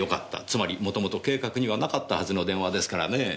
つまり元々計画にはなかったはずの電話ですからねえ。